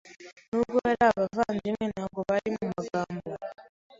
Nubwo bari abavandimwe, ntabwo bari mu magambo.